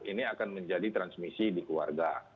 ini akan menjadi transmisi di keluarga